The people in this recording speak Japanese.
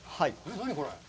何これ。